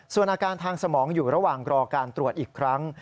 ส่วนอาการทางสมองอยู่ระหว่างรอการตรวจอีกครั้ง